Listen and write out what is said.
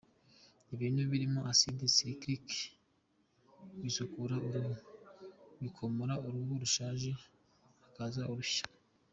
Ibintu birimo “acide salicylique” bisukura uruhu, bikomora uruhu rushaje hakaza urushya.